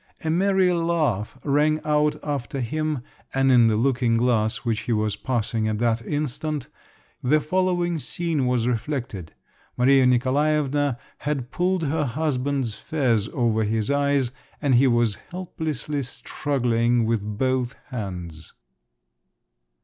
A merry laugh rang out after him, and in the looking glass which he was passing at that instant, the following scene was reflected: Maria Nikolaevna had pulled her husband's fez over his eyes, and he was helplessly struggling with both hands.